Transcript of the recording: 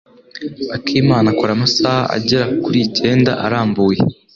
Akimana akora amasaha agera kuri icyenda arambuye.